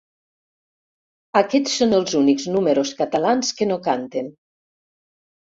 Aquests són els únics números catalans que no canten.